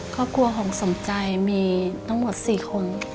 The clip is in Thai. ครอบครัวของสมใจมีทั้งหมด๔คน